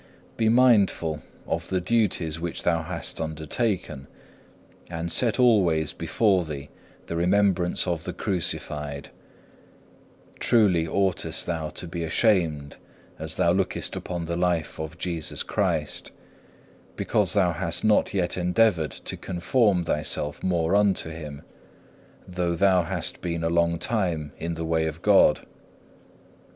6. Be mindful of the duties which thou hast undertaken, and set always before thee the remembrance of the Crucified. Truly oughtest thou to be ashamed as thou lookest upon the life of Jesus Christ, because thou hast not yet endeavoured to conform thyself more unto Him, though thou hast been a long time in the way of God.